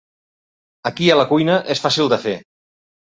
Aquí a la cuina és fàcil de fer.